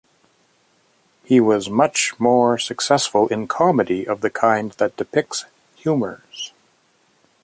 He was much more successful in comedy of the kind that depicts humours.